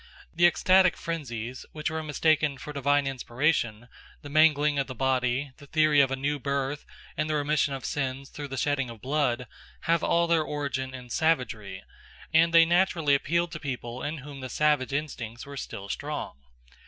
The ecstatic frenzies, which were mistaken for divine inspiration, the mangling of the body, the theory of a new birth and the remission of sins through the shedding of blood, have all their origin in savagery, and they naturally appealed to peoples in whom the savage instincts were still strong.